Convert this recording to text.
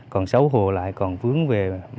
còn sáu hộ lại còn vướng về